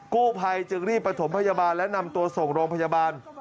กู้ภัยจึงรีบประถมพยาบาลและนำตัวส่งโรงพยาบาล